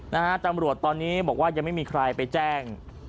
นะฮะตำรวจตอนนี้บอกว่ายังไม่มีใครไปแจ้ง